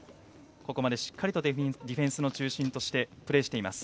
ここまでしっかりディフェンスの中心としてプレーしています。